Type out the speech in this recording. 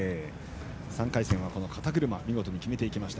３回戦は肩車を見事に決めました。